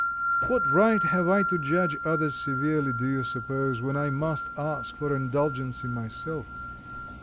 What right have I to judge others severely, do you suppose, when I must ask for indulgence myself?